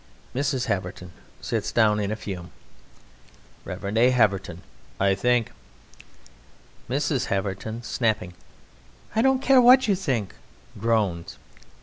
MRS. HAVERTON sits down in a fume. REV. A. HAVERTON: I think.... MRS. HAVERTON (snapping): I don't care what you think!